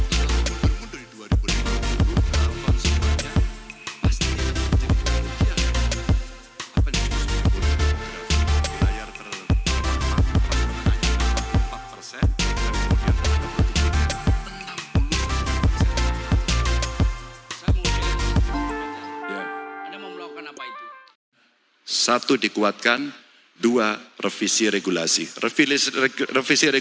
yang berada di bagian terakhir